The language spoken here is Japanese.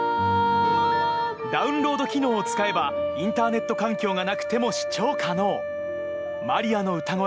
ダウンロード機能を使えばインターネット環境がなくても視聴可能マリアの歌声